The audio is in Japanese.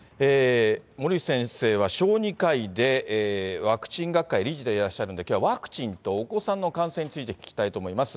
森内先生は小児科医で、ワクチン学会理事でいらっしゃるんで、きょうはワクチンとお子さんの感染について聞きたいと思います。